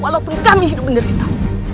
walaupun kami hidup menerita